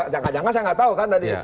jangan jangan saya nggak tahu kan tadi